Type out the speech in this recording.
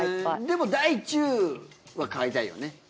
でも大中は買いたいよね。